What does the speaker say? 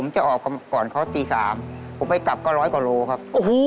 ใช่ครับ